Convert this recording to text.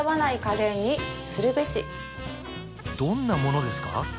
どんなものですか？